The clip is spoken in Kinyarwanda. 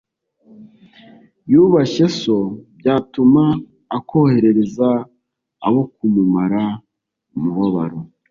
yubashye so byatuma akoherereza abo kukumara umubabaro?